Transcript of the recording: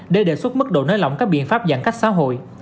để đề xuất mức độ nới lỏng các biện pháp giãn cách xã hội